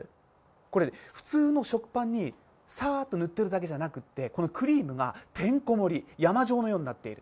これ、普通の食パンにサーッと塗ってるだけじゃなくてこのクリームがてんこ盛り、山状のようになっている。